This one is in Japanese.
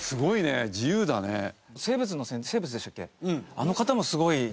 あの方もすごい。